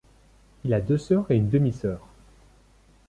Il a deux sœurs et une demi-sœur.